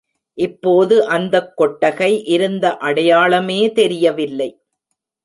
இப்போது அந்தக் கொட்டகை இருந்த அடையாளமே தெரியவில்லை.